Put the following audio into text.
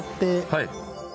はい。